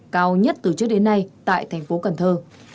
cao nhất từ trước đến nay tại thành phố cần thơ